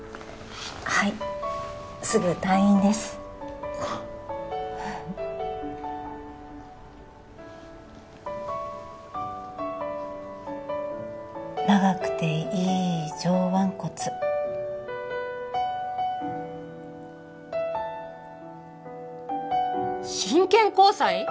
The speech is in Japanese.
はいすぐ退院ですああ長くていい上腕骨真剣交際！？